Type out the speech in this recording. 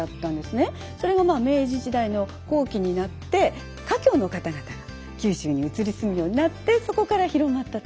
それが明治時代の後期になって華僑の方々が九州に移り住むようになってそこから広まったと。